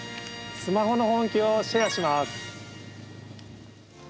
スマホの本気をシェアします。